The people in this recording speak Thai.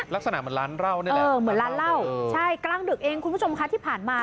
ลักษณะเหมือนร้านเหล้านี่แหละเออเหมือนร้านเหล้าใช่กลางดึกเองคุณผู้ชมคะที่ผ่านมา